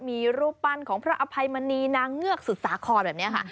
มีรูปปั้นของพระอภัยมณีนางเงือกสุดสาครแบบนี้ค่ะ